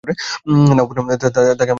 নাও বোন, তাকে আমার সামনে জুতা দিয়ে মারো।